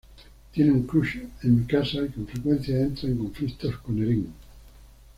Tiene un crush en Mikasa y con frecuencia entra en conflictos con Eren.